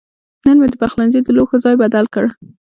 نن مې د پخلنځي د لوښو ځای بدل کړ.